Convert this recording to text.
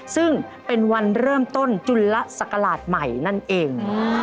ซึ่งเป็นวันเริ่มต้นจุลศักราชใหม่นั่นเอง